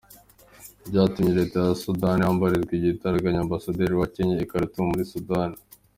Ibi byatumye Leta ya Sudani ihambiriza igitaraganya Ambasaderi wa Kenya i Khartoum muri Sudani.